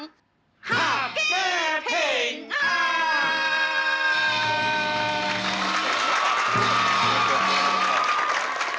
ขับแก้เพียงอ้าน